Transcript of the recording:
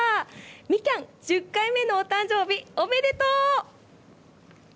みきゃん、１０回目のお誕生日おめでとう。